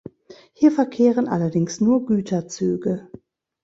Hier verkehren allerdings nur Güterzüge.